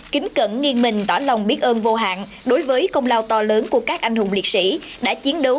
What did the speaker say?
kính cẩn nghiêng mình tỏ lòng biết ơn vô hạn đối với công lao to lớn của các anh hùng liệt sĩ đã chiến đấu